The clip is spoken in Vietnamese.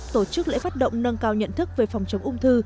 tổ chức lễ phát động nâng cao nhận thức về phòng chống ung thư